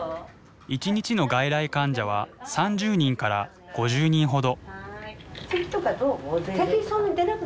一日の外来患者は３０人から５０人ほど。